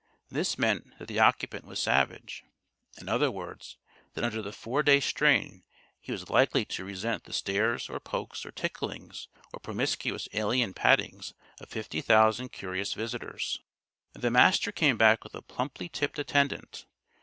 This meant that the occupant was savage in other words, that under the four day strain he was likely to resent the stares or pokes or ticklings or promiscuous alien pattings of fifty thousand curious visitors. The Master came back with a plumply tipped attendant.